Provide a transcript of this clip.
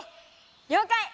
りょうかい！